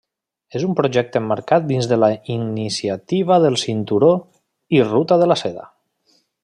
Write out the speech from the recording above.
És un projecte emmarcat dins de la Iniciativa del Cinturó i Ruta de la Seda.